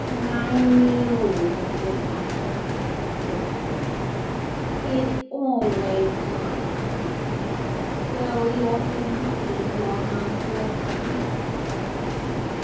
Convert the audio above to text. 'I knew this would happen,' said the Cat. 'It always does. So you're to leave your house next week.